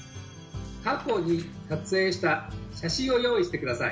過去に撮影した写真を用意して下さい。